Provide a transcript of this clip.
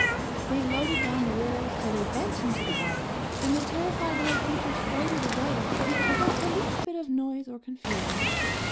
They loaded down the willows till they bent into the water, and the terrified little creatures floated away without the least bit of noise or confusion.